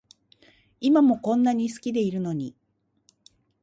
今もこんなに好きでいるのに